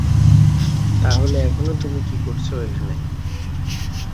তাহলে এখনো তুমি কি করছো এখানে?